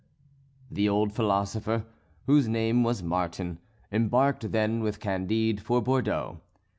The old philosopher, whose name was Martin, embarked then with Candide for Bordeaux.